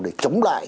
để chống lại